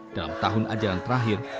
dalam tahun ajaran terakhir